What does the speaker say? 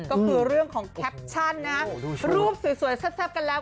ก็คือเรื่องของแคปชั่นนะฮะรูปสวยแซ่บกันแล้ว